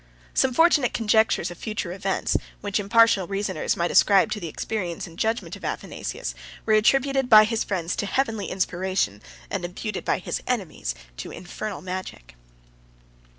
98 Some fortunate conjectures of future events, which impartial reasoners might ascribe to the experience and judgment of Athanasius, were attributed by his friends to heavenly inspiration, and imputed by his enemies to infernal magic.